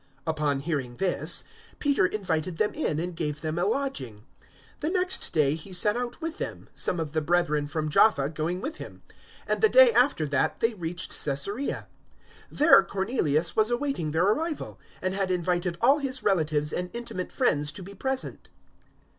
010:023 Upon hearing this, Peter invited them in, and gave them a lodging. The next day he set out with them, some of the brethren from Jaffa going with him, 010:024 and the day after that they reached Caesarea. There Cornelius was awaiting their arrival, and had invited all his relatives and intimate friends to be present.